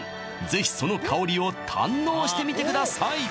是非その香りを堪能してみてください！